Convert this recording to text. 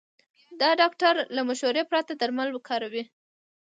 د ډاکټر له مشورې پرته درمل مه کاروئ.